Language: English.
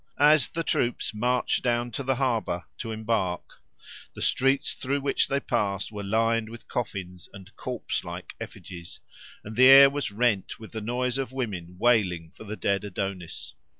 As the troops marched down to the harbour to embark, the streets through which they passed were lined with coffins and corpse like effigies, and the air was rent with the noise of women wailing for the dead Adonis.